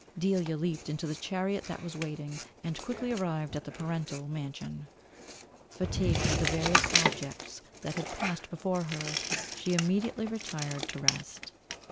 Delia leaped into the chariot that was waiting, and quickly arrived at the parental mansion. Fatigued with the various objects that had passed before her, she immediately retired to rest.